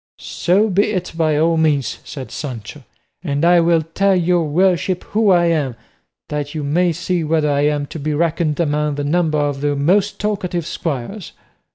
"So be it by all means," said Sancho; "and I will tell your worship who I am, that you may see whether I am to be reckoned among the number of the most talkative squires."